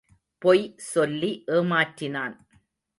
பொய் சொல்லி ஏமாற்றினான்.